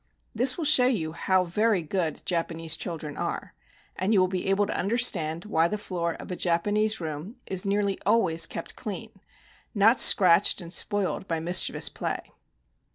This will show you how very good Japanese children are ; and you will be able to understand why the floor of a Japanese room is nearly al ways kept clean, — not scratched and spoiled by mischievous play.